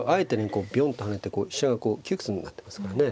こうビョンと跳ねて飛車がこう窮屈になってますからね。